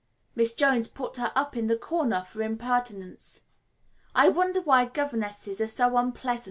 Miss Jones put her in the corner for impertinence. I wonder why governesses are so unpleasant.